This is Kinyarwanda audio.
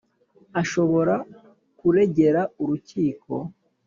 Ashobora kuregera urukiko